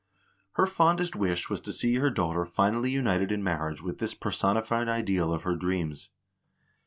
Her fondest wish was to see her daughter finally united in marriage with this personified ideal of her dreams.